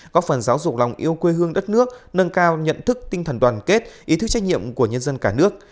góp phần giáo dục lòng yêu quê hương đất nước nâng cao nhận thức tinh thần đoàn kết ý thức trách nhiệm của nhân dân cả nước